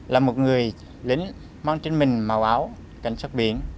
là một người lính mang trên mình màu áo cắn sắc biến